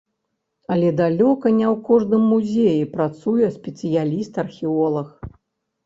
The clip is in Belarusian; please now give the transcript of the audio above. Але далёка не ў кожным музеі працуе спецыяліст-археолаг.